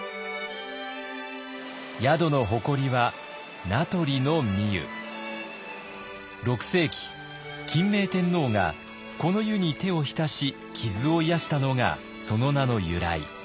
宿の誇りは６世紀欽明天皇がこの湯に手を浸し傷を癒やしたのがその名の由来。